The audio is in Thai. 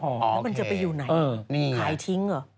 แล้วมันจะไปอยู่ไหนขายทิ้งเหรอ